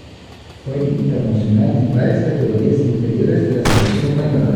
Fue internacional en varias categorías inferiores de la selección española.